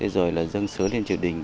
rồi dân sứa lên triều đình